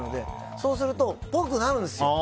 そうすると、っぽくなるんですよ。